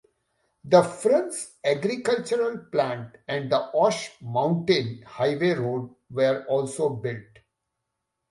The Frunze agricultural plant and the Osh mountain highway road were also built.